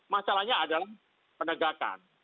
masalahnya adalah penegakan